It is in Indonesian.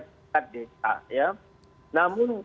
tetap desa namun